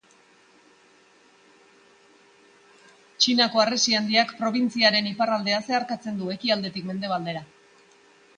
Txinako Harresi Handiak, probintziaren iparraldea zeharkatzen du, ekialdetik mendebaldera.